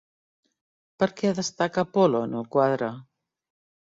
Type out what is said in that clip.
Per què destaca Apol·lo en el quadre?